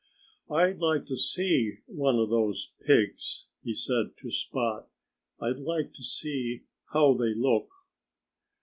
"I'd like to see one of those pigs," he said to Spot. "I'd like to see how they look."